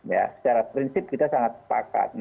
ya secara prinsip kita sangat sepakat